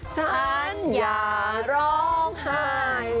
ฉันอย่าร้องไห้